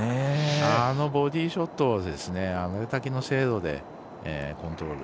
あのボディーショットをあれだけの精度でコントロール。